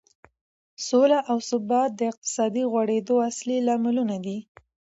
سوله او ثبات د اقتصادي غوړېدو اصلي لاملونه دي.